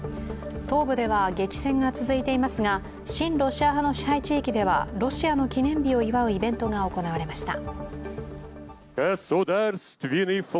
東部では激戦が続いていますが親ロシア派の支配地域ではロシアの記念日を祝うイベントが行われました。